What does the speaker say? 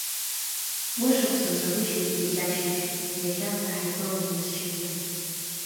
Бышықәс нҵәагәышьеит иахьа ашьыжь, иахьанӡа ҳаиԥылон есшьыжьы.